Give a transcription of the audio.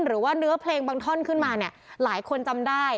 หรือว่าเนื้อเพลงบางท่อนขึ้นมาเนี่ยหลายคนจำได้